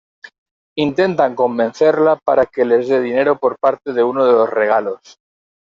Intentan convencerla para que les de dinero por parte de uno de los "regalos".